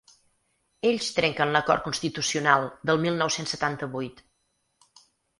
Ells trenquen l’acord constitucional del mil nou-cents setanta-vuit.